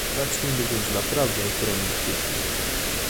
Zacznijmy więc naprawdę chronić dzieci